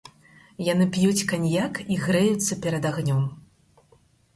Яны п'юць каньяк і грэюцца перад агнём.